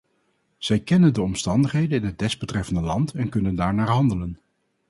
Zij kennen de omstandigheden in het desbetreffende land en kunnen daarnaar handelen.